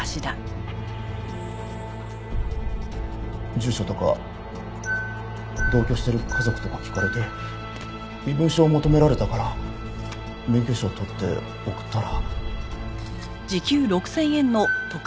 住所とか同居してる家族とか聞かれて身分証求められたから免許証を撮って送ったら。